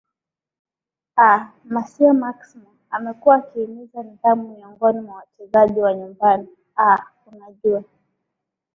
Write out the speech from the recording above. aa masio maximo amekuwa akihimiza nidhamu miongoni mwa wachezaji wa nyumbani aa unajua